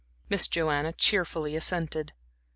Miss Joanna cheerfully assented.